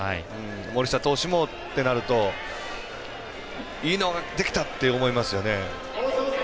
森下投手もってなるといいのが上がってきた！って思いますよね。